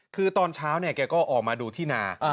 คือตอนเช้าเขาก็ออกมาดูที่นา